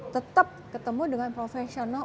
tetap ketemu dengan profesional